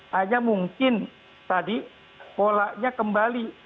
hanya mungkin tadi polanya kembali